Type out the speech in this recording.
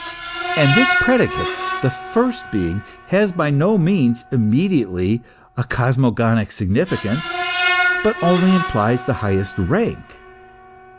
And this predicate the first Being, has by no means immediately a cosmogonic significance, but only implies the highest rank.